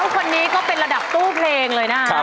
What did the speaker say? คนนี้เป็นระดับปุ้นเป็นผู้เพลง